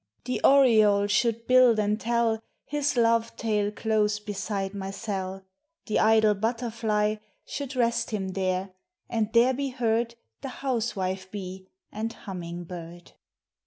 The oriole should build and tell His love tale close beside my cell ; The idle butterfly Should rest him there, and there be heard The housewife bee and humming bird.